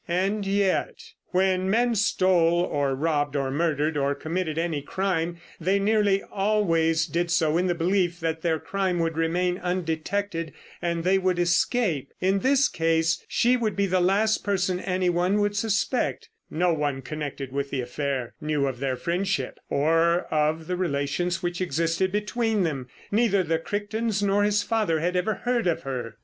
And yet.... When men stole or robbed or murdered or committed any crime, they nearly always did so in the belief that their crime would remain undetected and they would escape. In this case she would be the last person anyone would suspect. No one connected with the affair knew of their friendship or of the relations which existed between them. Neither the Crichtons nor his father had ever heard of her.